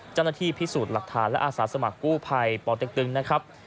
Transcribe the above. เจ้าหน้าที่พิสูจน์หลักฐานและอาสาสมัครกู้ภัยปเต็กตึงนะครับ